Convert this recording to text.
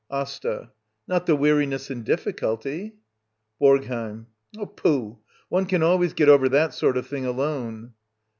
AsTA. Not the weariness and diflSculty? BoRGHEiM. Pooh! — One can always get over that sort of thing alone.